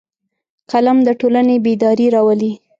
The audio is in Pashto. قلم د ټولنې بیداري راولي